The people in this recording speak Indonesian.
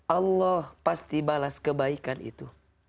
allah pasti balas kebaikan itu